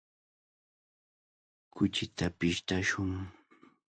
Kuchita pishtashun.